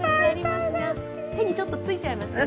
手にちょっとついちゃいますよね。